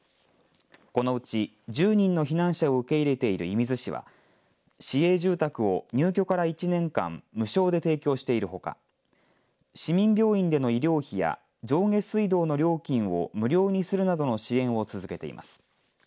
このうち、１０人の避難者を受け入れている射水市は市営住宅を入居から１年間無償で提供しているほか市民病院での医療費や上下水道の料金を無料にするなどの支援を続けています。